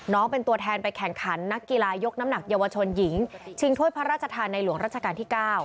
เป็นตัวแทนไปแข่งขันนักกีฬายกน้ำหนักเยาวชนหญิงชิงถ้วยพระราชทานในหลวงรัชกาลที่๙